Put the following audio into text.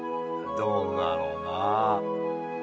どうだろうな。